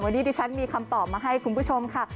วันนี้ดิฉันมีคำตอบมาให้คุณผู้ชมค่ะ